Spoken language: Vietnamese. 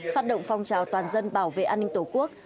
phát động phong trào toàn dân bảo vệ an ninh tổ quốc